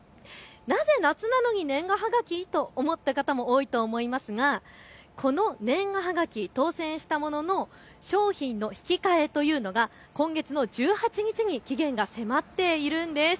なぜ夏なのに年賀はがきと思った方も多いと思いますがこの年賀はがき、当せんしたものの賞品の引き換えというのが今月の１８日に期限が迫っているんです。